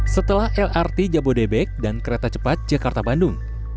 setelah lrt jabodebek dan kereta cepat jakarta bandung